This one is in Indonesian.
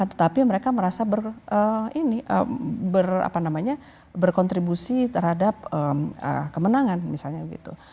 tetapi mereka merasa berkontribusi terhadap kemenangan misalnya gitu